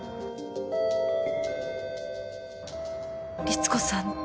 リツコさん